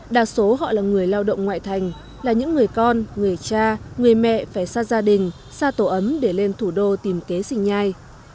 đa số họ là người lao động ngoại thành là những người con người cha người mẹ phải xa gia đình xa tổ ấm để lên thủ đô tìm kế sinh nhai